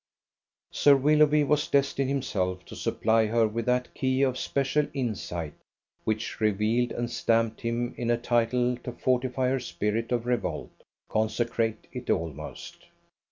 Sir Willoughby was destined himself to supply her with that key of special insight which revealed and stamped him in a title to fortify her spirit of revolt, consecrate it almost.